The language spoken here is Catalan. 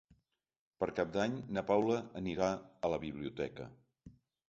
Per Cap d'Any na Paula anirà a la biblioteca.